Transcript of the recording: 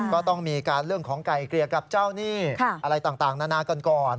ก็ต้องมีการเลือกของกายเกลียดกับเจ้านี่อะไรต่างนานากันก่อน